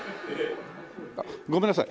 ごめんなさい。